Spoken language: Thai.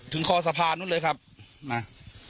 คอสะพานนู้นเลยครับมา